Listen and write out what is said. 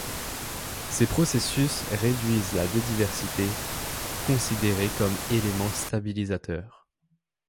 Ces processus réduisent la biodiversité, considérée comme élément stabilisateur.